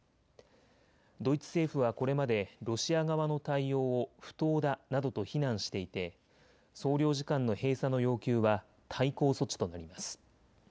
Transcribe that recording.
ドイツ政府はこれまでロシア側の対応を不当だなどと非難していて総領事館の閉鎖の要求は対抗措置となります。